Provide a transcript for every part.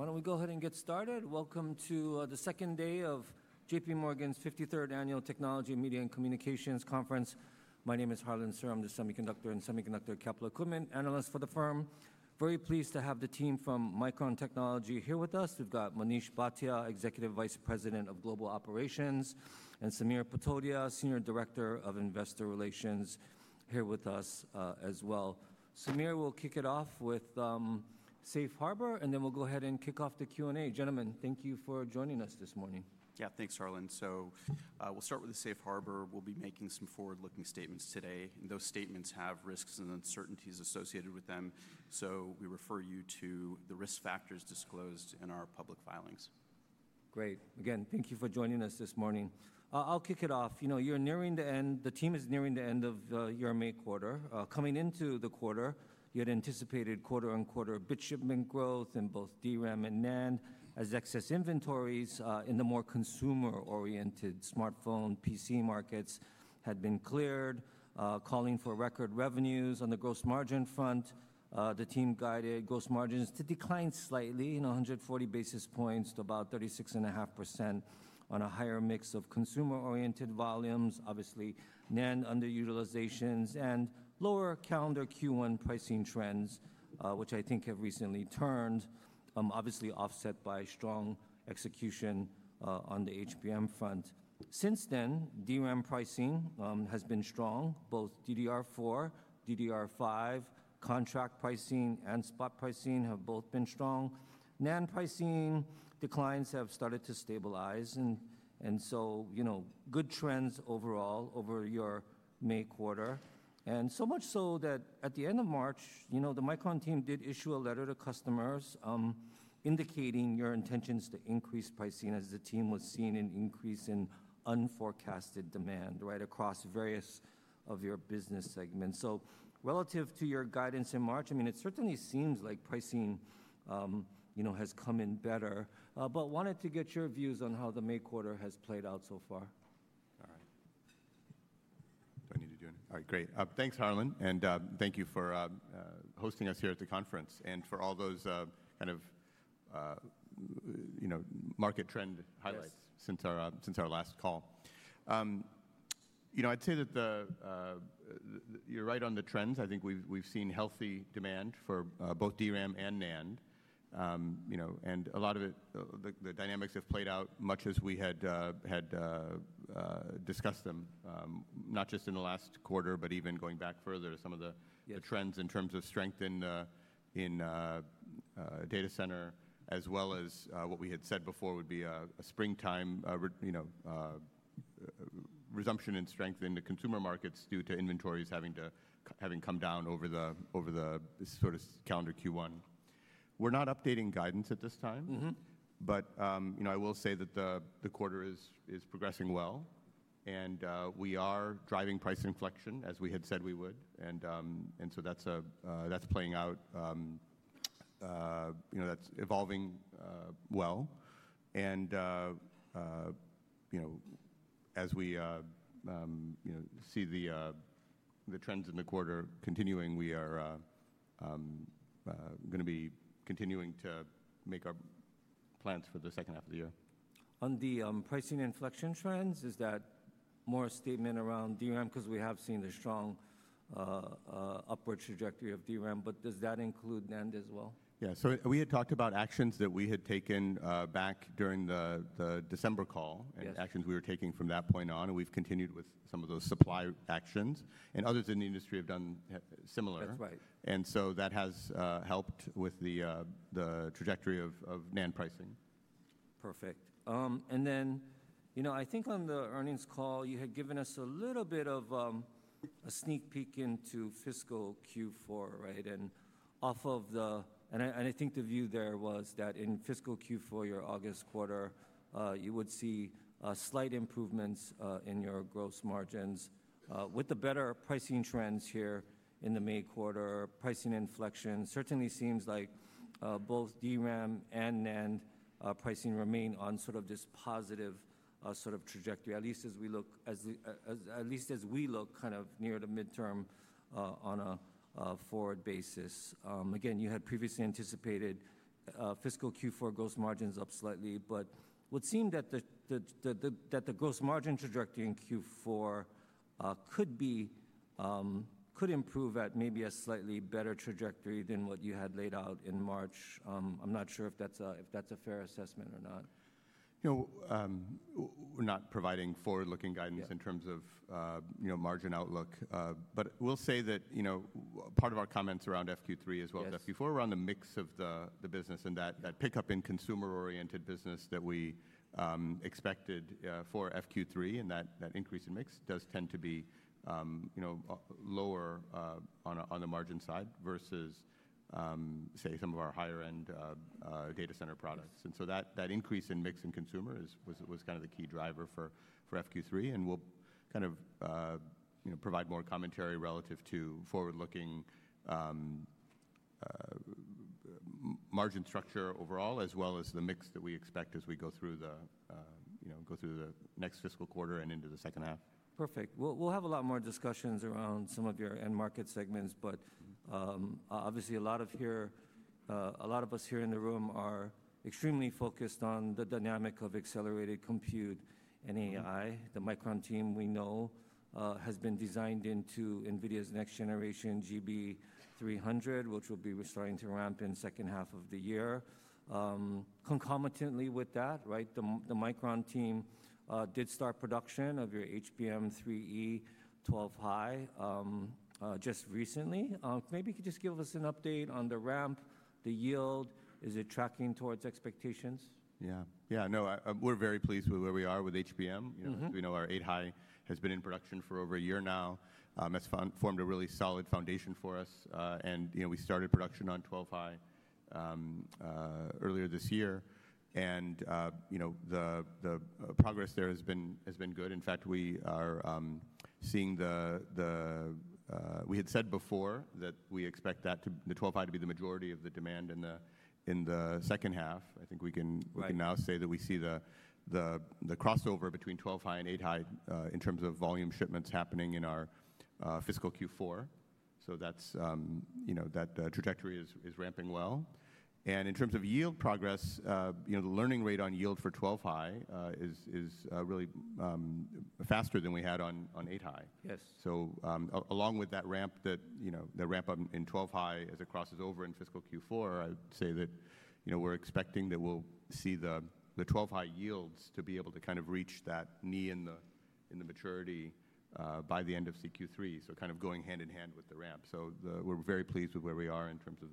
Why don't we go ahead and get started? Welcome to the second day of JPMorgan's 53rd Annual Technology, Media and Communications Conference. My name is Harlan Sur. I'm the semiconductor and semiconductor capital equipment analyst for the firm. Very pleased to have the team from Micron Technology here with us. We've got Manish Bhatia, Executive Vice President of Global Operations, and Samir Patodia, Senior Director of Investor Relations, here with us as well. Samir, we'll kick it off with Safe Harbor, and then we'll go ahead and kick off the Q&A. Gentlemen, thank you for joining us this morning. Yeah, thanks, Harlan. We'll start with the Safe Harbor. We'll be making some forward-looking statements today. Those statements have risks and uncertainties associated with them. We refer you to the risk factors disclosed in our public filings. Great. Again, thank you for joining us this morning. I'll kick it off. You know, you're nearing the end. The team is nearing the end of your May quarter. Coming into the quarter, you had anticipated quarter-on-quarter bit shipment growth in both DRAM and NAND as excess inventories in the more consumer-oriented smartphone PC markets had been cleared, calling for record revenues on the gross margin front. The team guided gross margins to decline slightly, 140 basis points to about 36.5% on a higher mix of consumer-oriented volumes, obviously NAND underutilizations, and lower calendar Q1 pricing trends, which I think have recently turned, obviously offset by strong execution on the HBM front. Since then, DRAM pricing has been strong. Both DDR4, DDR5, contract pricing, and spot pricing have both been strong. NAND pricing declines have started to stabilize. You know, good trends overall over your May quarter. So much so that at the end of March, you know, the Micron team did issue a letter to customers indicating your intentions to increase pricing as the team was seeing an increase in unforecasted demand right across various of your business segments. Relative to your guidance in March, I mean, it certainly seems like pricing, you know, has come in better. I wanted to get your views on how the May quarter has played out so far. All right. Do I need to do anything? All right, great. Thanks, Harlan. And thank you for hosting us here at the conference and for all those kind of, you know, market trend highlights since our last call. You know, I'd say that you're right on the trends. I think we've seen healthy demand for both DRAM and NAND, you know, and a lot of it, the dynamics have played out much as we had discussed them, not just in the last quarter, but even going back further to some of the trends in terms of strength in data center, as well as what we had said before would be a springtime, you know, resumption in strength in the consumer markets due to inventories having come down over the sort of calendar Q1. We're not updating guidance at this time, but, you know, I will say that the quarter is progressing well. We are driving price inflection, as we had said we would. That is playing out, you know, that is evolving well. You know, as we see the trends in the quarter continuing, we are going to be continuing to make our plans for the second half of the year. On the pricing inflection trends, is that more a statement around DRAM? Because we have seen the strong upward trajectory of DRAM, but does that include NAND as well? Yeah, we had talked about actions that we had taken back during the December call and actions we were taking from that point on. We have continued with some of those supply actions. Others in the industry have done similar. That's right. That has helped with the trajectory of NAND pricing. Perfect. You know, I think on the earnings call, you had given us a little bit of a sneak peek into fiscal Q4, right? Off of the, I think the view there was that in fiscal Q4, your August quarter, you would see slight improvements in your gross margins with the better pricing trends here in the May quarter. Pricing inflection certainly seems like both DRAM and NAND pricing remain on sort of this positive sort of trajectory, at least as we look, at least as we look kind of near the midterm on a forward basis. Again, you had previously anticipated fiscal Q4 gross margins up slightly, but it would seem that the gross margin trajectory in Q4 could improve at maybe a slightly better trajectory than what you had laid out in March. I'm not sure if that's a fair assessment or not. You know, we're not providing forward-looking guidance in terms of, you know, margin outlook. We'll say that, you know, part of our comments around FQ3 as well as FQ4 were on the mix of the business and that pickup in consumer-oriented business that we expected for FQ3. That increase in mix does tend to be, you know, lower on the margin side versus, say, some of our higher-end data center products. That increase in mix in consumer was kind of the key driver for FQ3. We'll kind of, you know, provide more commentary relative to forward-looking margin structure overall, as well as the mix that we expect as we go through the, you know, go through the next fiscal quarter and into the second half. Perfect. We'll have a lot more discussions around some of your end market segments, but obviously a lot of us here in the room are extremely focused on the dynamic of accelerated compute and AI. The Micron team we know has been designed into NVIDIA's next generation GB300, which will be starting to ramp in the second half of the year. Concomitantly with that, right, the Micron team did start production of your HBM3E 12-High just recently. Maybe you could just give us an update on the ramp, the yield, is it tracking towards expectations? Yeah, yeah, no, we're very pleased with where we are with HBM. You know, we know our 8 High has been in production for over a year now. It's formed a really solid foundation for us. You know, we started production on 12 High earlier this year. You know, the progress there has been good. In fact, we are seeing the, we had said before that we expect that the 12 High to be the majority of the demand in the second half. I think we can now say that we see the crossover between 12 High and 8 High in terms of volume shipments happening in our fiscal Q4. That's, you know, that trajectory is ramping well. In terms of yield progress, you know, the learning rate on yield for 12 High is really faster than we had on 8 High. Yes. Along with that ramp, you know, the ramp in 12 High as it crosses over in fiscal Q4, I'd say that, you know, we're expecting that we'll see the 12 High yields to be able to kind of reach that knee in the maturity by the end of Q3. Kind of going hand in hand with the ramp. We're very pleased with where we are in terms of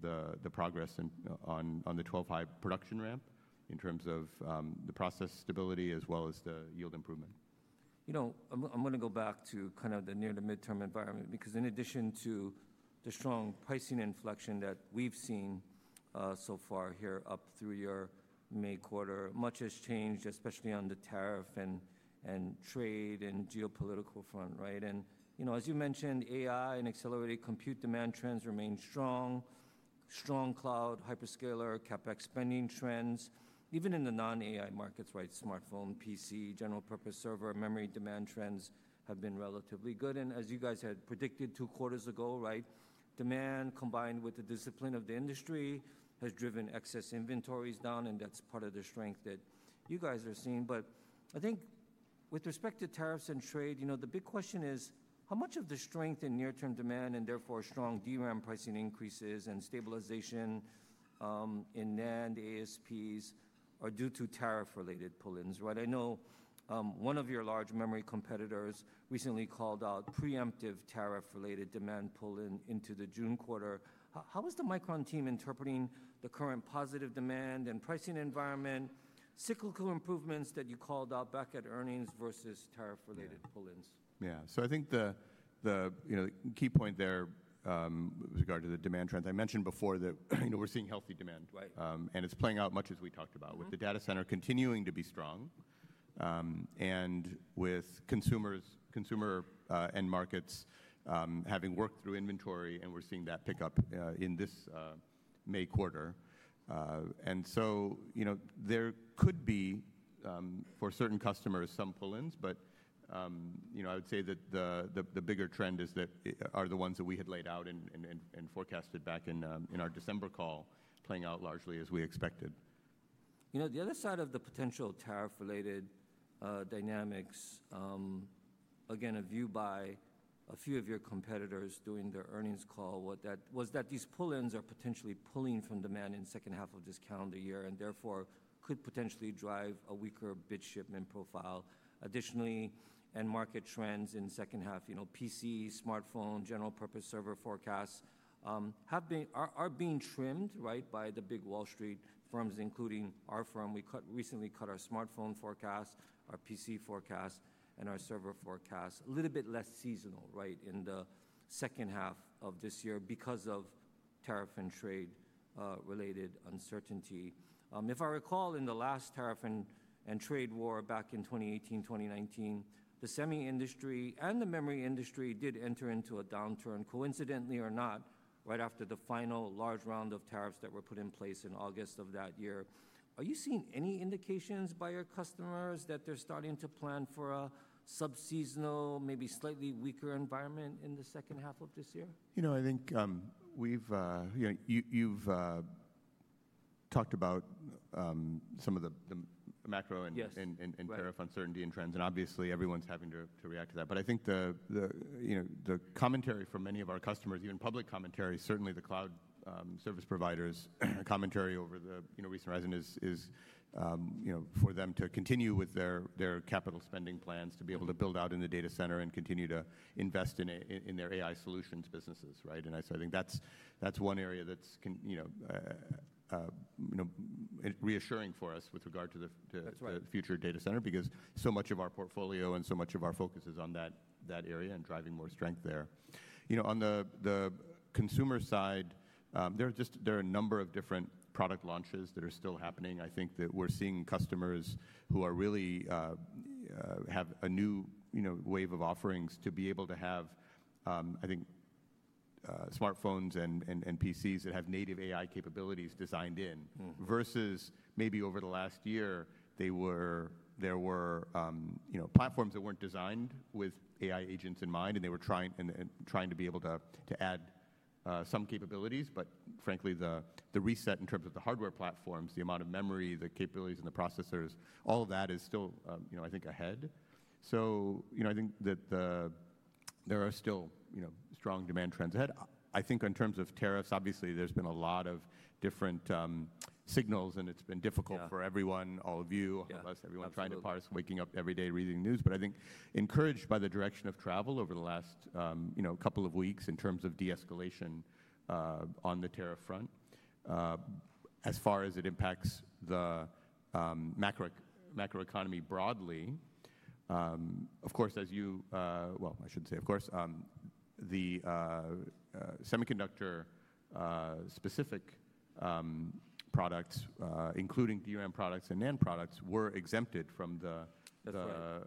the progress on the 12 High production ramp in terms of the process stability as well as the yield improvement. You know, I'm going to go back to kind of the near to midterm environment because in addition to the strong pricing inflection that we've seen so far here up through your May quarter, much has changed, especially on the tariff and trade and geopolitical front, right? You know, as you mentioned, AI and accelerated compute demand trends remain strong, strong cloud, hyperscaler, CapEx spending trends. Even in the non-AI markets, right, smartphone, PC, general purpose server, memory demand trends have been relatively good. As you guys had predicted two quarters ago, right, demand combined with the discipline of the industry has driven excess inventories down. That's part of the strength that you guys are seeing. I think with respect to tariffs and trade, you know, the big question is how much of the strength in near-term demand and therefore strong DRAM pricing increases and stabilization in NAND, ASPs are due to tariff-related pull-ins, right? I know one of your large memory competitors recently called out preemptive tariff-related demand pull-in into the June quarter. How is the Micron team interpreting the current positive demand and pricing environment, cyclical improvements that you called out back at earnings versus tariff-related pull-ins? Yeah, so I think the, you know, the key point there with regard to the demand trends, I mentioned before that, you know, we're seeing healthy demand. Right. It is playing out much as we talked about with the data center continuing to be strong and with consumer end markets having worked through inventory. We are seeing that pick up in this May quarter. You know, there could be for certain customers some pull-ins, but, you know, I would say that the bigger trend is that the ones that we had laid out and forecasted back in our December call are playing out largely as we expected. You know, the other side of the potential tariff-related dynamics, again, a view by a few of your competitors during their earnings call was that these pull-ins are potentially pulling from demand in the second half of this calendar year and therefore could potentially drive a weaker bit shipment profile. Additionally, end market trends in the second half, you know, PC, smartphone, general purpose server forecasts have been, are being trimmed, right, by the big Wall Street firms, including our firm. We recently cut our smartphone forecast, our PC forecast, and our server forecast a little bit less seasonal, right, in the second half of this year because of tariff and trade-related uncertainty. If I recall, in the last tariff and trade war back in 2018, 2019, the semi industry and the memory industry did enter into a downturn, coincidentally or not, right after the final large round of tariffs that were put in place in August of that year. Are you seeing any indications by your customers that they're starting to plan for a subseasonal, maybe slightly weaker environment in the second half of this year? You know, I think we've, you know, you've talked about some of the macro and tariff uncertainty and trends. Obviously, everyone's having to react to that. I think the, you know, the commentary from many of our customers, even public commentary, certainly the cloud service providers' commentary over the recent horizon is, you know, for them to continue with their capital spending plans to be able to build out in the data center and continue to invest in their AI solutions businesses, right? I think that's one area that's, you know, reassuring for us with regard to the future data center because so much of our portfolio and so much of our focus is on that area and driving more strength there. You know, on the consumer side, there are just, there are a number of different product launches that are still happening. I think that we're seeing customers who really have a new, you know, wave of offerings to be able to have, I think, smartphones and PCs that have native AI capabilities designed in versus maybe over the last year, there were, you know, platforms that weren't designed with AI agents in mind. They were trying to be able to add some capabilities. Frankly, the reset in terms of the hardware platforms, the amount of memory, the capabilities and the processors, all of that is still, you know, I think ahead. You know, I think that there are still, you know, strong demand trends ahead. I think in terms of tariffs, obviously, there's been a lot of different signals. It's been difficult for everyone, all of you, unless everyone's trying to parse waking up every day reading news. I think encouraged by the direction of travel over the last, you know, couple of weeks in terms of de-escalation on the tariff front, as far as it impacts the macroeconomy broadly, of course, as you, well, I shouldn't say of course, the semiconductor-specific products, including DRAM products and NAND products, were exempted from the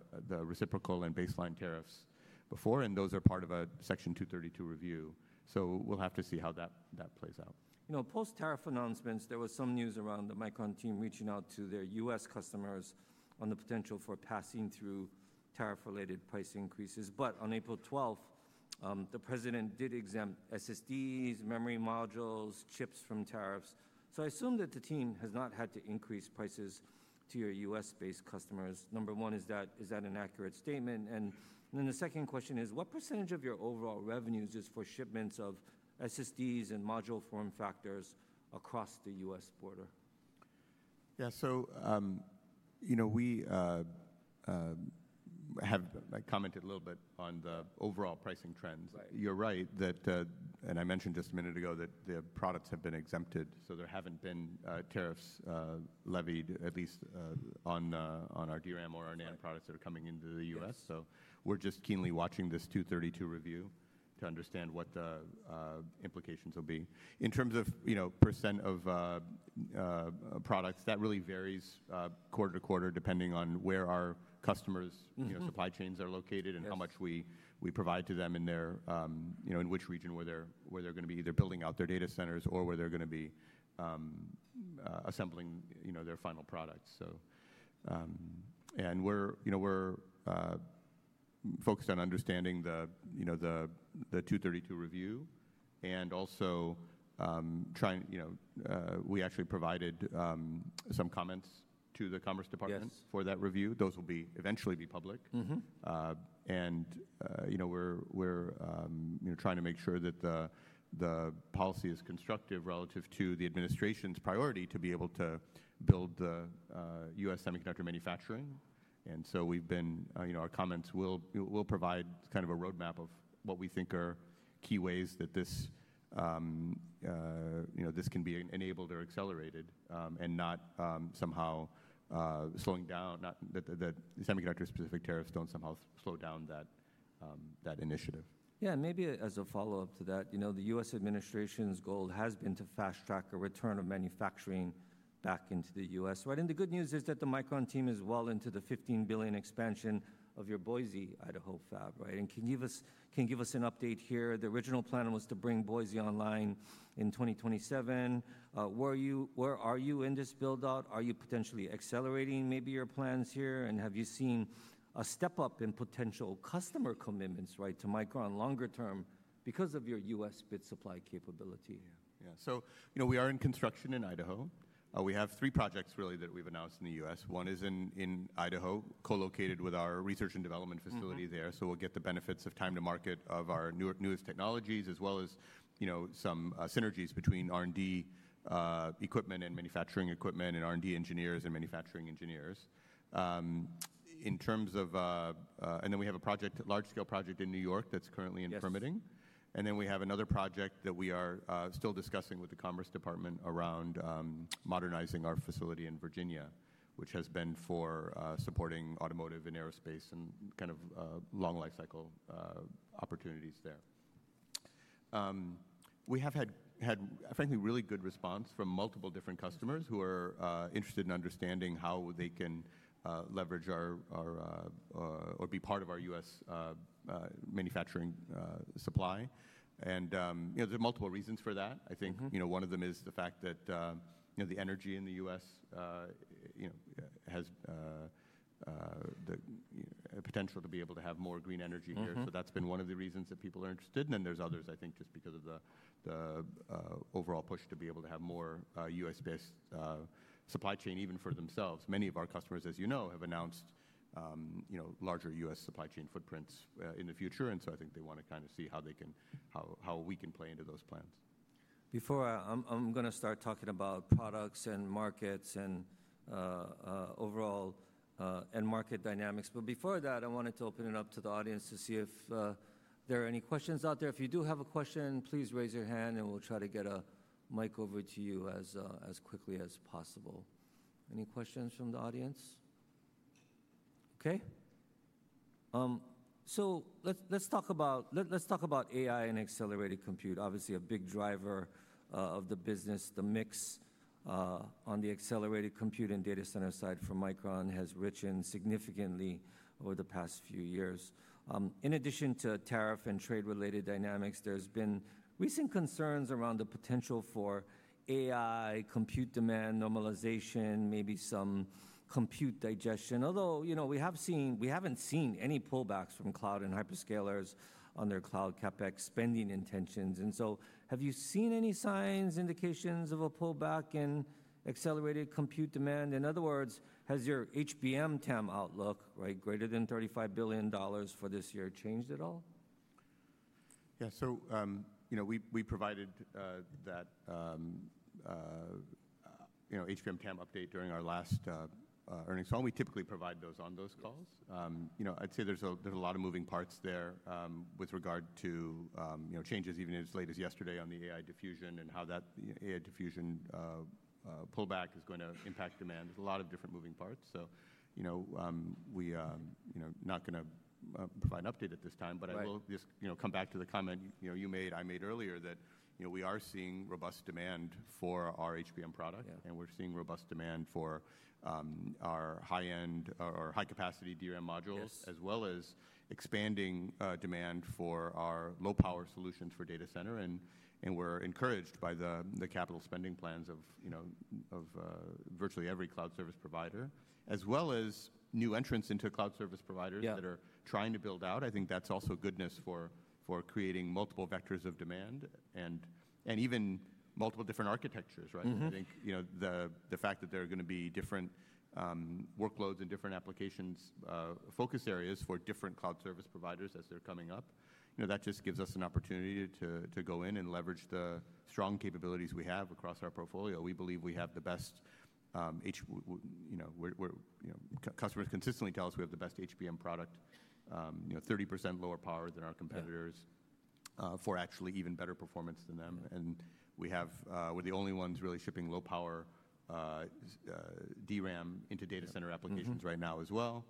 reciprocal and baseline tariffs before. Those are part of a Section 232 review. We'll have to see how that plays out. You know, post-tariff announcements, there was some news around the Micron team reaching out to their U.S. customers on the potential for passing through tariff-related price increases. On April 12th, the president did exempt SSDs, memory modules, chips from tariffs. I assume that the team has not had to increase prices to your U.S.-based customers. Number one, is that an accurate statement? The second question is, what percentage of your overall revenues is for shipments of SSDs and module form factors across the U.S. border? Yeah, so, you know, we have commented a little bit on the overall pricing trends. You're right that, and I mentioned just a minute ago that the products have been exempted. There haven't been tariffs levied at least on our DRAM or our NAND products that are coming into the U.S. We're just keenly watching this 232 review to understand what the implications will be. In terms of, you know, % of products, that really varies quarter to quarter depending on where our customers', you know, supply chains are located and how much we provide to them in their, you know, in which region where they're going to be either building out their data centers or where they're going to be assembling, you know, their final products. We're, you know, we're focused on understanding the, you know, the 232 review and also trying, you know, we actually provided some comments to the Commerce Department for that review. Those will eventually be public. You know, we're trying to make sure that the policy is constructive relative to the administration's priority to be able to build the U.S. semiconductor manufacturing. We've been, you know, our comments will provide kind of a roadmap of what we think are key ways that this, you know, this can be enabled or accelerated and not somehow slowing down, not that semiconductor-specific tariffs don't somehow slow down that initiative. Yeah, maybe as a follow-up to that, you know, the U.S. administration's goal has been to fast-track a return of manufacturing back into the U.S., right? The good news is that the Micron team is well into the $15 billion expansion of your Boise, Idaho fab, right? Can you give us an update here? The original plan was to bring Boise online in 2027. Where are you in this build-out? Are you potentially accelerating maybe your plans here? Have you seen a step up in potential customer commitments, right, to Micron longer term because of your U.S. bid supply capability? Yeah, so, you know, we are in construction in Idaho. We have three projects really that we've announced in the U.S. One is in Idaho, co-located with our research and development facility there. We'll get the benefits of time to market of our newest technologies as well as, you know, some synergies between R&D equipment and manufacturing equipment and R&D engineers and manufacturing engineers. In terms of, and then we have a project, a large-scale project in New York that's currently in permitting. Then we have another project that we are still discussing with the Commerce Department around modernizing our facility in Virginia, which has been for supporting automotive and aerospace and kind of long life cycle opportunities there. We have had, frankly, really good response from multiple different customers who are interested in understanding how they can leverage our or be part of our U.S. manufacturing supply. You know, there are multiple reasons for that. I think, you know, one of them is the fact that, you know, the energy in the U.S., you know, has the potential to be able to have more green energy here. That has been one of the reasons that people are interested. There are others, I think, just because of the overall push to be able to have more U.S.-based supply chain even for themselves. Many of our customers, as you know, have announced, you know, larger U.S. supply chain footprints in the future. I think they want to kind of see how they can, how we can play into those plans. Before I'm going to start talking about products and markets and overall market dynamics. Before that, I wanted to open it up to the audience to see if there are any questions out there. If you do have a question, please raise your hand and we'll try to get a mic over to you as quickly as possible. Any questions from the audience? Okay. Let's talk about AI and accelerated compute. Obviously, a big driver of the business, the mix on the accelerated compute and data center side for Micron has risen significantly over the past few years. In addition to tariff and trade-related dynamics, there's been recent concerns around the potential for AI compute demand normalization, maybe some compute digestion. Although, you know, we haven't seen any pullbacks from cloud and hyperscalers on their cloud CapEx spending intentions. Have you seen any signs, indications of a pullback in accelerated compute demand? In other words, has your HBM TAM outlook, right, greater than $35 billion for this year changed at all? Yeah, so, you know, we provided that, you know, HBM TAM update during our last earnings call. We typically provide those on those calls. I'd say there's a lot of moving parts there with regard to, you know, changes even as late as yesterday on the AI diffusion and how that AI diffusion pullback is going to impact demand. There's a lot of different moving parts. So, you know, we are not going to provide an update at this time, but I will just, you know, come back to the comment you made, I made earlier that, you know, we are seeing robust demand for our HBM product and we're seeing robust demand for our high-end or high-capacity DRAM modules as well as expanding demand for our low-power solutions for data center. We are encouraged by the capital spending plans of, you know, of virtually every cloud service provider as well as new entrants into cloud service providers that are trying to build out. I think that's also goodness for creating multiple vectors of demand and even multiple different architectures, right? I think, you know, the fact that there are going to be different workloads and different applications focus areas for different cloud service providers as they're coming up, you know, that just gives us an opportunity to go in and leverage the strong capabilities we have across our portfolio. We believe we have the best, you know, customers consistently tell us we have the best HBM product, you know, 30% lower power than our competitors for actually even better performance than them. We have, we're the only ones really shipping low-power DRAM into data center applications right now as well.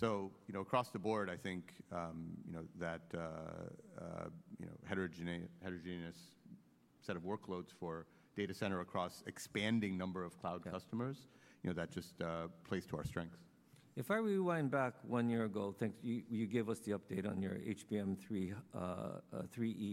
You know, across the board, I think, you know, that, you know, heterogeneous set of workloads for data center across expanding number of cloud customers, you know, that just plays to our strengths. If I rewind back one year ago, you gave us the update on your HBM3E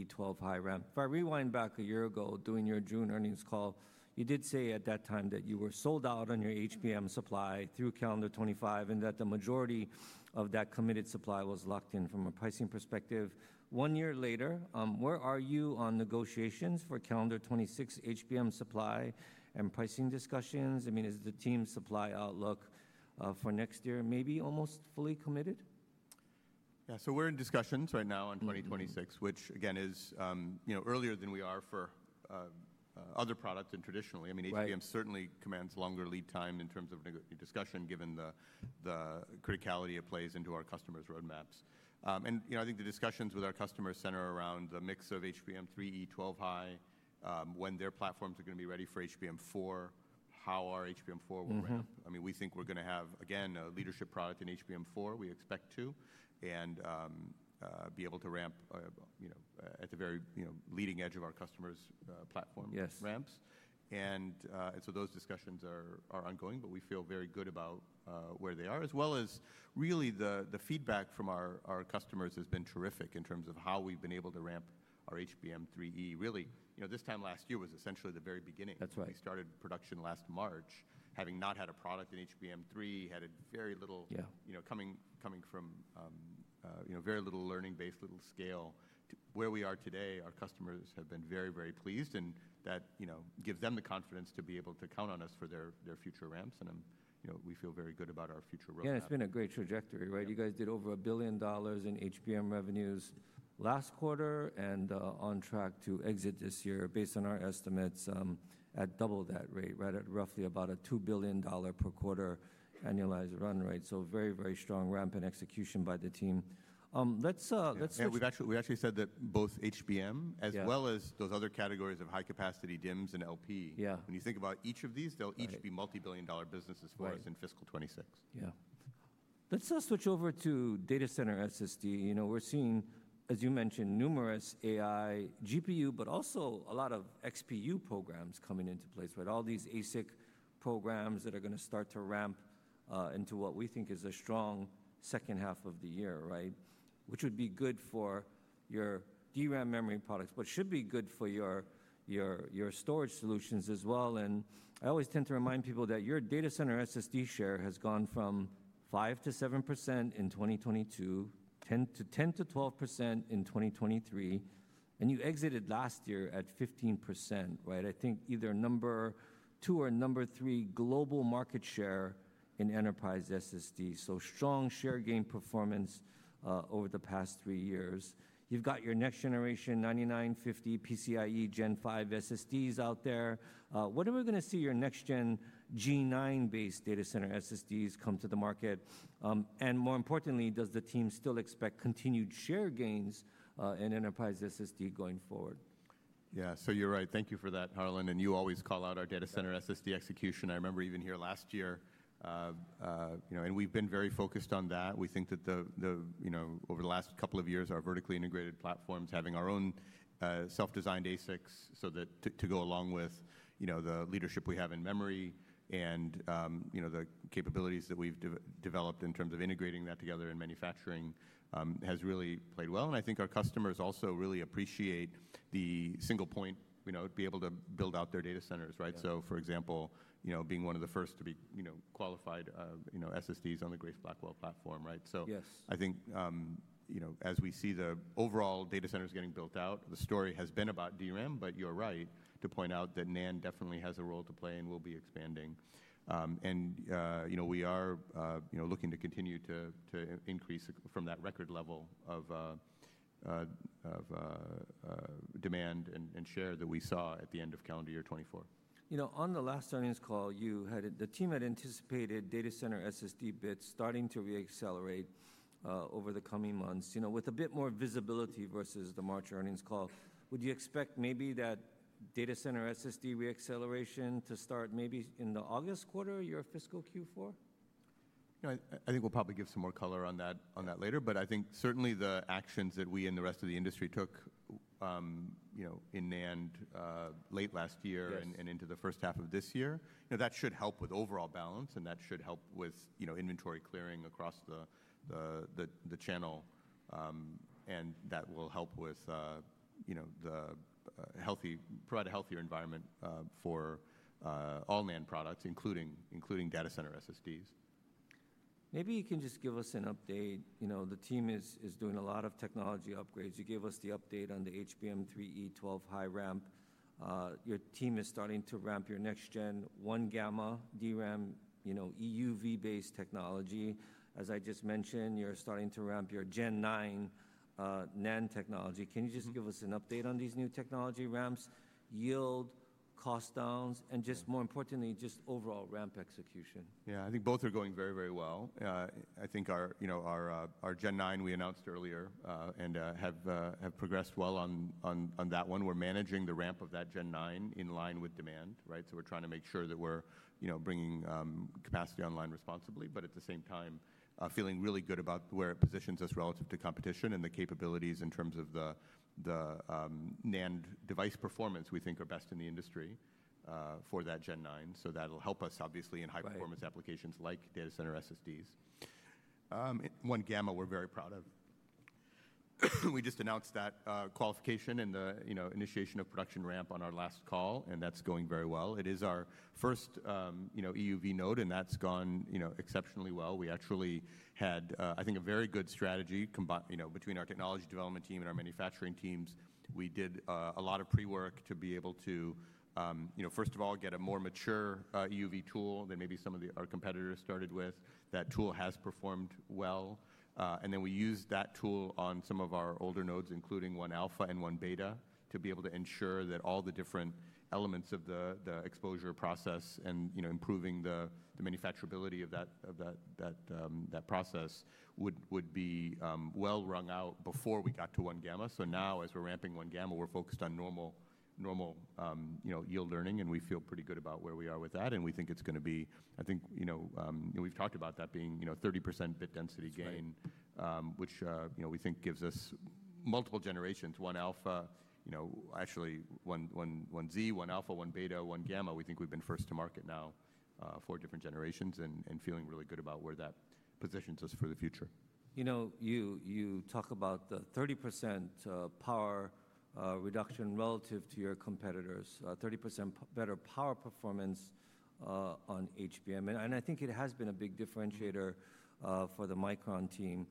12-High RAM. If I rewind back a year ago during your June earnings call, you did say at that time that you were sold out on your HBM supply through calendar 2025 and that the majority of that committed supply was locked in from a pricing perspective. One year later, where are you on negotiations for calendar 2026 HBM supply and pricing discussions? I mean, is the team's supply outlook for next year maybe almost fully committed? Yeah, so we're in discussions right now on 2026, which again is, you know, earlier than we are for other products and traditionally. I mean, HBM certainly commands longer lead time in terms of discussion given the criticality it plays into our customers' roadmaps. And, you know, I think the discussions with our customers center around the mix of HBM3E 12-High, when their platforms are going to be ready for HBM4, how our HBM4 will ramp. I mean, we think we're going to have, again, a leadership product in HBM4. We expect to be able to ramp, you know, at the very, you know, leading edge of our customers' platform ramps. And so those discussions are ongoing, but we feel very good about where they are. As well as really the feedback from our customers has been terrific in terms of how we've been able to ramp our HBM3E. Really, you know, this time last year was essentially the very beginning. We started production last March, having not had a product in HBM3, had very little, you know, coming from, you know, very little learning-based, little scale. Where we are today, our customers have been very, very pleased. That, you know, gives them the confidence to be able to count on us for their future ramps. You know, we feel very good about our future roadmap. Yeah, it's been a great trajectory, right? You guys did over $1 billion in HBM revenues last quarter and on track to exit this year based on our estimates at double that rate, right? At roughly about a $2 billion per quarter annualized run, right? Very, very strong ramp and execution by the team. Let's switch. Yeah, we actually said that both HBM as well as those other categories of high-capacity DIMMs and LP. When you think about each of these, they'll each be multi-billion dollar businesses for us in fiscal 2026. Yeah. Let's switch over to data center SSD. You know, we're seeing, as you mentioned, numerous AI, GPU, but also a lot of XPU programs coming into place, right? All these ASIC programs that are going to start to ramp into what we think is a strong second half of the year, right? Which would be good for your DRAM memory products, but should be good for your storage solutions as well. I always tend to remind people that your data center SSD share has gone from 5-7% in 2022, 10-12% in 2023. You exited last year at 15%, right? I think either number two or number three global market share in enterprise SSD. Strong share gain performance over the past three years. You've got your next generation 9950 PCIe Gen 5 SSDs out there. What are we going to see your next-gen G9 NAND-based data center SSDs come to the market? More importantly, does the team still expect continued share gains in enterprise SSD going forward? Yeah, so you're right. Thank you for that, Harlan. You always call out our data center SSD execution. I remember even here last year, you know, and we've been very focused on that. We think that over the last couple of years, our vertically integrated platforms, having our own self-designed ASICs to go along with the leadership we have in memory and the capabilities that we've developed in terms of integrating that together in manufacturing, has really played well. I think our customers also really appreciate the single point to be able to build out their data centers, right? For example, being one of the first to be qualified SSDs on the Grace Blackwell platform, right? I think, you know, as we see the overall data centers getting built out, the story has been about DRAM, but you're right to point out that NAND definitely has a role to play and will be expanding. You know, we are, you know, looking to continue to increase from that record level of demand and share that we saw at the end of calendar year 2024. You know, on the last earnings call, you had the team had anticipated data center SSD bits starting to reaccelerate over the coming months, you know, with a bit more visibility versus the March earnings call. Would you expect maybe that data center SSD reacceleration to start maybe in the August quarter, your fiscal Q4? You know, I think we'll probably give some more color on that later, but I think certainly the actions that we and the rest of the industry took, you know, in NAND late last year and into the first half of this year, you know, that should help with overall balance and that should help with, you know, inventory clearing across the channel. That will help with, you know, provide a healthier environment for all NAND products, including data center SSDs. Maybe you can just give us an update. You know, the team is doing a lot of technology upgrades. You gave us the update on the HBM3E 12-High ramp. Your team is starting to ramp your next gen one-gamma DRAM, you know, EUV-based technology. As I just mentioned, you're starting to ramp your Gen 9 NAND technology. Can you just give us an update on these new technology ramps, yield, cost downs, and just more importantly, just overall ramp execution? Yeah, I think both are going very, very well. I think our, you know, our Gen 9, we announced earlier and have progressed well on that one. We're managing the ramp of that Gen 9 in line with demand, right? We're trying to make sure that we're, you know, bringing capacity online responsibly, but at the same time, feeling really good about where it positions us relative to competition and the capabilities in terms of the NAND device performance we think are best in the industry for that Gen 9. That'll help us obviously in high performance applications like data center SSDs. One Gamma we're very proud of. We just announced that qualification and the, you know, initiation of production ramp on our last call, and that's going very well. It is our first, you know, EUV node and that's gone, you know, exceptionally well. We actually had, I think, a very good strategy, you know, between our technology development team and our manufacturing teams. We did a lot of pre-work to be able to, you know, first of all, get a more mature EUV tool than maybe some of our competitors started with. That tool has performed well. We used that tool on some of our older nodes, including one alpha and one beta, to be able to ensure that all the different elements of the exposure process and, you know, improving the manufacturability of that process would be well rung out before we got to one gamma. Now, as we're ramping one gamma, we're focused on normal, you know, yield learning, and we feel pretty good about where we are with that. We think it's going to be, I think, you know, we've talked about that being, you know, 30% bit density gain, which, you know, we think gives us multiple generations, one alpha, you know, actually one Z, one alpha, one beta, one gamma. We think we've been first to market now for different generations and feeling really good about where that positions us for the future. You know, you talk about the 30% power reduction relative to your competitors, 30% better power performance on HBM. I think it has been a big differentiator for the Micron team.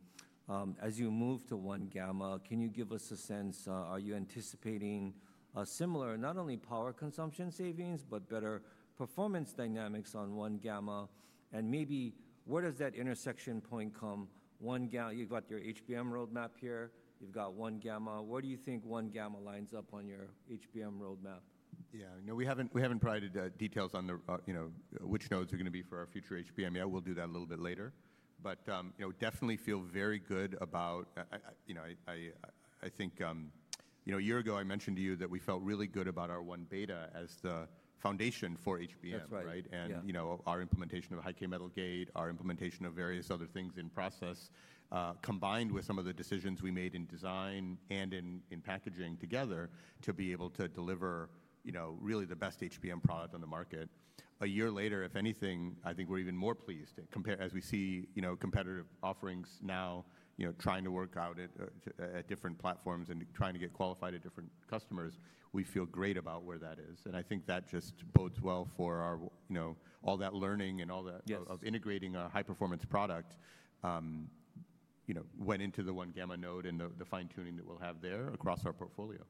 As you move to one gamma, can you give us a sense? Are you anticipating similar, not only power consumption savings, but better performance dynamics on one gamma? Maybe where does that intersection point come? One gamma, you have got your HBM roadmap here, you have got one gamma. Where do you think one gamma lines up on your HBM roadmap? Yeah, no, we haven't provided details on the, you know, which nodes are going to be for our future HBM. Yeah, we'll do that a little bit later. But, you know, definitely feel very good about, you know, I think, you know, a year ago I mentioned to you that we felt really good about our one beta as the foundation for HBM, right? And, you know, our implementation of high-capacity metal gate, our implementation of various other things in process, combined with some of the decisions we made in design and in packaging together to be able to deliver, you know, really the best HBM product on the market. A year later, if anything, I think we're even more pleased as we see, you know, competitive offerings now, you know, trying to work out at different platforms and trying to get qualified at different customers. We feel great about where that is. I think that just bodes well for our, you know, all that learning and all that of integrating a high-performance product, you know, went into the one-gamma node and the fine-tuning that we'll have there across our portfolio.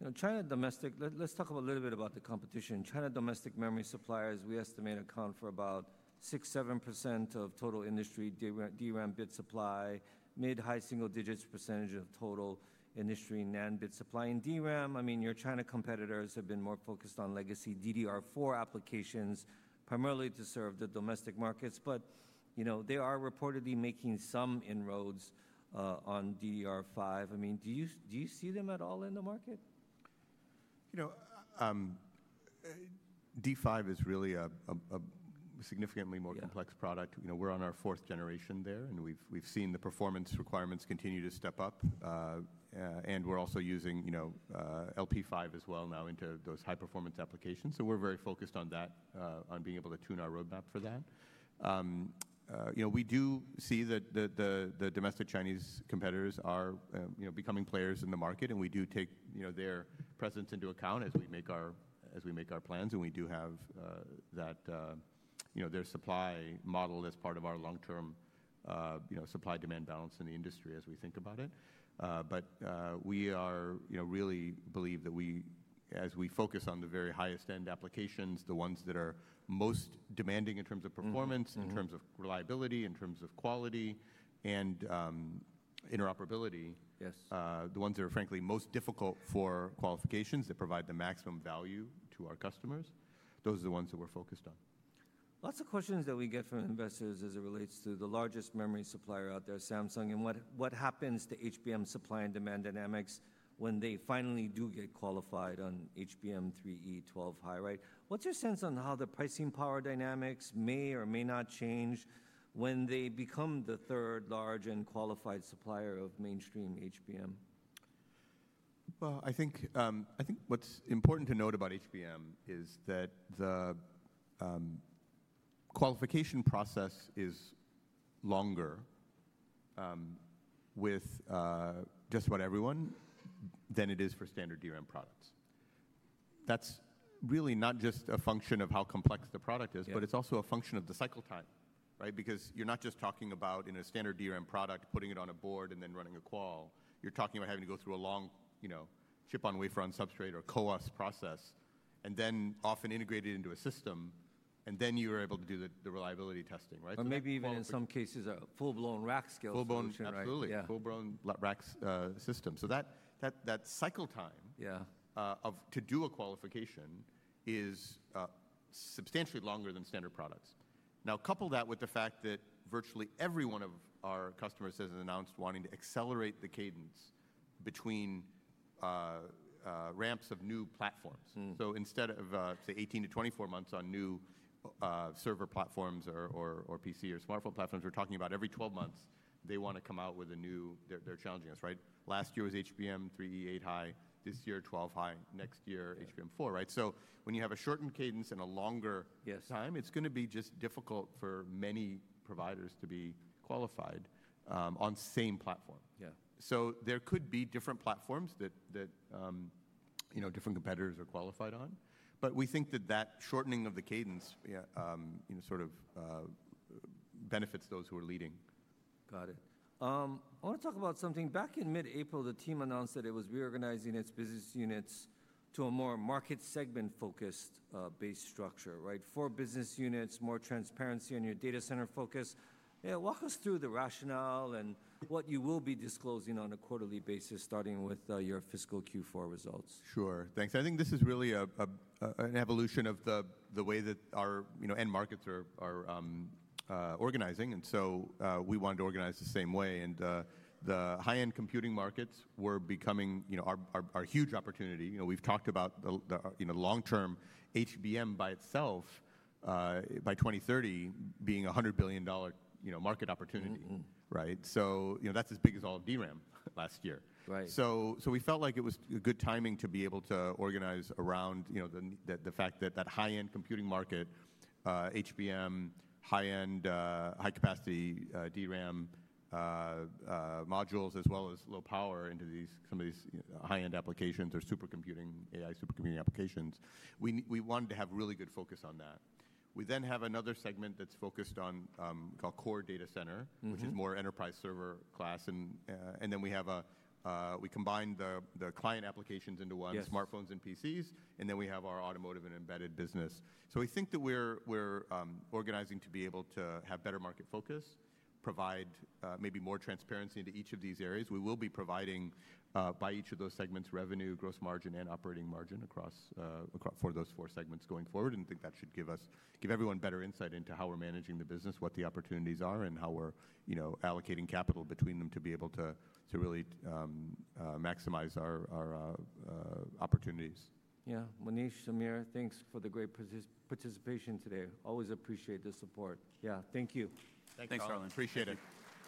You know, China domestic, let's talk a little bit about the competition. China domestic memory suppliers, we estimate account for about 6%-7% of total industry DRAM bit supply, mid-high single digits % of total industry NAND bit supply. In DRAM, I mean, your China competitors have been more focused on legacy DDR4 applications, primarily to serve the domestic markets. You know, they are reportedly making some inroads on DDR5. I mean, do you see them at all in the market? You know, D5 is really a significantly more complex product. You know, we're on our fourth generation there and we've seen the performance requirements continue to step up. We're also using, you know, LP5 as well now into those high-performance applications. We are very focused on that, on being able to tune our roadmap for that. You know, we do see that the domestic Chinese competitors are, you know, becoming players in the market and we do take, you know, their presence into account as we make our plans. We do have that, you know, their supply model as part of our long-term, you know, supply-demand balance in the industry as we think about it. We are, you know, really believe that we, as we focus on the very highest-end applications, the ones that are most demanding in terms of performance, in terms of reliability, in terms of quality and interoperability, the ones that are frankly most difficult for qualifications that provide the maximum value to our customers, those are the ones that we're focused on. Lots of questions that we get from investors as it relates to the largest memory supplier out there, Samsung. What happens to HBM supply and demand dynamics when they finally do get qualified on HBM3E 12-High, right? What's your sense on how the pricing power dynamics may or may not change when they become the third large and qualified supplier of mainstream HBM? I think what's important to note about HBM is that the qualification process is longer with just about everyone than it is for standard DRAM products. That's really not just a function of how complex the product is, but it's also a function of the cycle time, right? Because you're not just talking about, in a standard DRAM product, putting it on a board and then running a call. You're talking about having to go through a long, you know, chip-on-wafer-on-substrate or CoWoS process and then often integrated into a system, and then you are able to do the reliability testing, right? Maybe even in some cases a full-blown rack scale. Full-blown, absolutely. Full-blown rack system. That cycle time to do a qualification is substantially longer than standard products. Now, couple that with the fact that virtually every one of our customers has announced wanting to accelerate the cadence between ramps of new platforms. Instead of, say, 18-24 months on new server platforms or PC or smartphone platforms, we're talking about every 12 months, they want to come out with a new, they're challenging us, right? Last year was HBM3E 8-high, this year 12-high, next year HBM4, right? When you have a shortened cadence and a longer time, it's going to be just difficult for many providers to be qualified on the same platform. There could be different platforms that, you know, different competitors are qualified on. We think that that shortening of the cadence, you know, sort of benefits those who are leading. Got it. I want to talk about something. Back in mid-April, the team announced that it was reorganizing its business units to a more market segment-focused base structure, right? Four business units, more transparency on your data center focus. Walk us through the rationale and what you will be disclosing on a quarterly basis, starting with your fiscal Q4 results. Sure, thanks. I think this is really an evolution of the way that our, you know, end markets are organizing. And so we want to organize the same way. The high-end computing markets were becoming, you know, our huge opportunity. You know, we've talked about the, you know, long-term HBM by itself by 2030 being a $100 billion, you know, market opportunity, right? That is as big as all of DRAM last year. We felt like it was good timing to be able to organize around, you know, the fact that that high-end computing market, HBM, high-end, high-capacity DRAM modules, as well as low power into some of these high-end applications or supercomputing, AI supercomputing applications. We wanted to have really good focus on that. We then have another segment that's focused on called core data center, which is more enterprise server class. We have a, we combine the client applications into one, smartphones and PCs, and then we have our automotive and embedded business. We think that we're organizing to be able to have better market focus, provide maybe more transparency into each of these areas. We will be providing by each of those segments, revenue, gross margin, and operating margin across for those four segments going forward. I think that should give us, give everyone better insight into how we're managing the business, what the opportunities are, and how we're, you know, allocating capital between them to be able to really maximize our opportunities. Yeah, Manish, Samir, thanks for the great participation today. Always appreciate the support. Yeah, thank you. Thanks, Darlen. Appreciate it.